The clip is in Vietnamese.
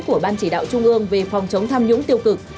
của ban chỉ đạo trung ương về phòng chống tham nhũng tiêu cực